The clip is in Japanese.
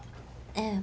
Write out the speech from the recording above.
ええ。